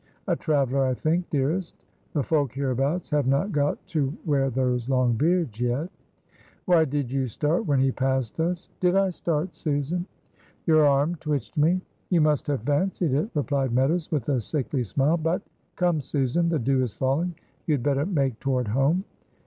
"A traveler, I think, dearest. The folk hereabouts have not got to wear those long beards yet." "Why did you start when he passed us?" "Did I start, Susan?" "Your arm twitched me." "You must have fancied it," replied Meadows, with a sickly smile; "but, come, Susan, the dew is falling, you had better make toward home."